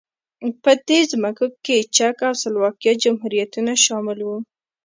په دې ځمکو کې چک او سلواکیا جمهوریتونه شامل وو.